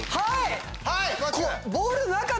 はい！